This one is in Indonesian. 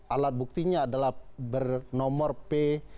alat buktinya adalah bernomor p satu ratus lima puluh lima